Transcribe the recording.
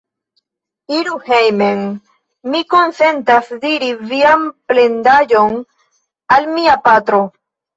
Iru hejmen: mi konsentas diri vian plendaĵon al mia patro!